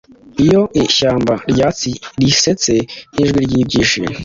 Iyo ishyamba ryatsi risetse nijwi ryibyishimo,